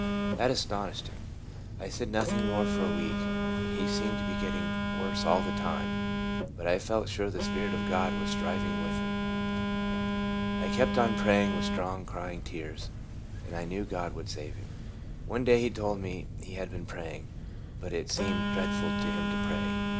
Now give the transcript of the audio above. That astonished him. I said noth ing more for a week, and he seemed to be getting worse all the time ; but I felt sure the Spirit of God was striving with him. I kept on praying with strong crying and tears, and I knew God would save him. One day he told me he had been praying, but it seemed dreadful to him to pray.